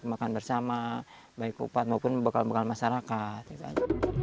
makan bersama baik upat maupun bekal bekal masyarakat gitu